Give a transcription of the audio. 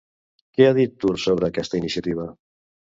Què ha dit Tur sobre aquesta iniciativa?